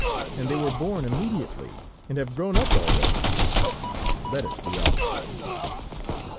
And they were born immediately, and have grown up already! Let us be off."